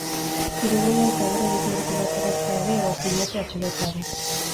Hirigunean zabor edukiontzi bat erretzea ere egotzi diote atxilotuari.